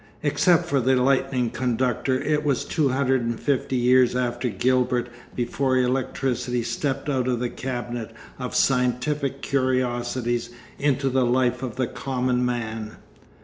Except for the lightning conductor, it was 250 years after Gilbert before electricity stepped out of the cabinet of scientific curiosities into the life of the common man....